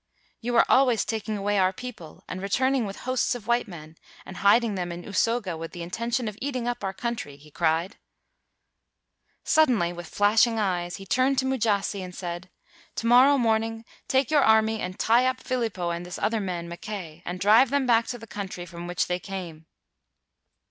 "You are always taking away our people and returning with hosts of white men and hiding them in Usoga with the intention of eating up our country," he cried. 209 WHITE MAN OF WORK Suddenly with flashing eyes, he turned to Mujasi and said: "To morrow morning take your army and tie up Philipo and this other man, Mackay, and drive them back to the country from which they came."